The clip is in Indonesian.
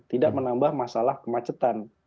tidak menambah masalah kemacetan